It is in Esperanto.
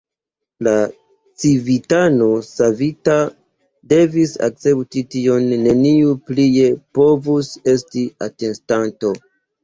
La civitano savita devis akcepti tion; neniu plie povus esti atestanto.